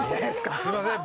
すいません。